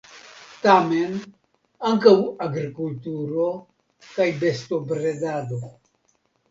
Tamen ankaŭ agrikulturo kaj bestobredado.